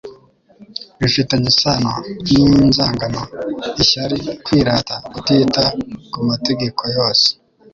Bifitanye isano n'inzangano, ishyari, kwirata, kutita ku mategeko yose